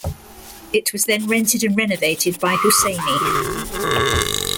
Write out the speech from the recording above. It was then rented and renovated by Husseini.